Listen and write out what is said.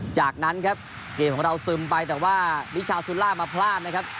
จากนั้นครับเกมของเราซึมไปแต่ว่านิชาซูล่ามาพลาดนะครับ